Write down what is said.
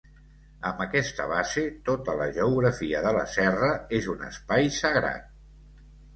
Amb aquesta base, tota la geografia de la serra és un espai sagrat.